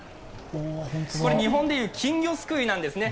日本でいう金魚すくいなんですね